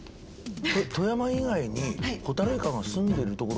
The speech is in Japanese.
富山以外にホタルイカがすんでる所があるの？